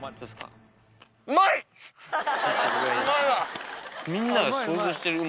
うまいわ！